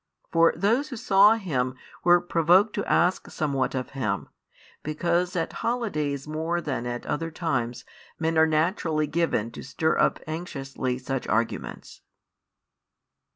For those who saw Him were provoked to ask somewhat of Him, because at holidays more than at other times men are naturally given to stir up anxiously such arguments.